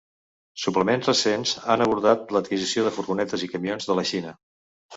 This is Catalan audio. Suplements recents han abordat l'adquisició de furgonetes i camions de la Xina.